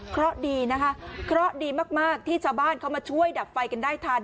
เพราะดีนะคะเคราะห์ดีมากที่ชาวบ้านเขามาช่วยดับไฟกันได้ทัน